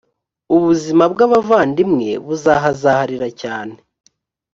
ubuzima bw abavandimwe buhazaharira cyane